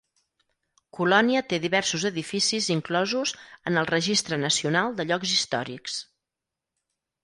Colònia té diversos edificis inclosos en el Registre Nacional de Llocs Històrics.